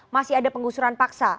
masih ada penggusuran paksa